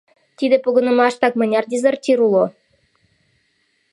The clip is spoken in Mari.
Тиде погынымаштак мыняр дезертир уло?